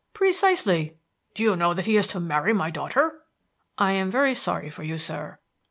"Precisely." "Do you know that he is to marry my daughter?" "I am very sorry for you, sir."